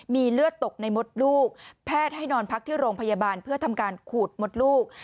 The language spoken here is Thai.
มีเลือดตกในมดลูกแพทย์ให้นอนพักที่โรงพยาบาลเพื่อทำการขูดมดลูก